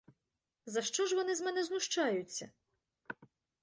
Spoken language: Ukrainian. За що ж вони з мене знущаються?!